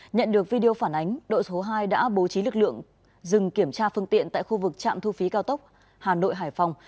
nhận được video phản ánh đội số hai đã bố trí lực lượng dừng kiểm tra phương tiện tại khu vực trạm thu phí cao tốc hà nội hải phòng